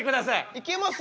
いけます？